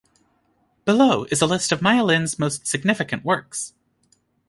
Below is a list of Maya Lin's most significant works.